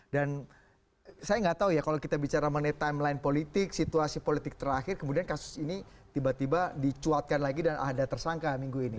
dan saya nggak tahu ya kalau kita bicara mengenai timeline politik situasi politik terakhir kemudian kasus ini tiba tiba dicuatkan lagi dan ada tersangka minggu ini